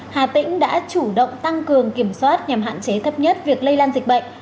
hà tĩnh đã chủ động tăng cường kiểm soát nhằm hạn chế thấp nhất việc lây lan dịch bệnh